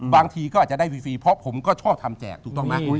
บางทีก็ได้ฟรีเพราะว่าผมก็ชอบทำแจก